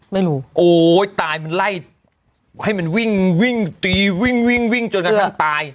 ไม่รู้โอ้ยตายมันไล่ให้มันวิ่งวิ่งตีวิ่งวิ่งวิ่งจนกระทั่งตาย